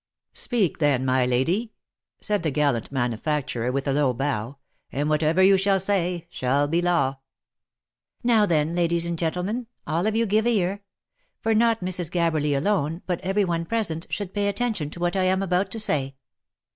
" Speak then, my lady !" said the gallant manufacturer with a low bow ;" and whatever you shall say, shall be law." " Now then, ladies and gentlemen ! all of you give ear ; for not Mrs. Gabberly alone, but every one present, should pay attention to what I am about to say."